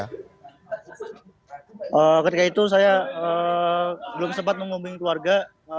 tetapi kejadian itu saya belum sempat menghubungi keluarga